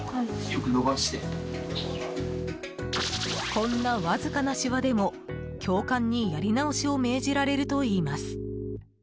こんなわずかなしわでも教官にやり直しを命じられるといいます。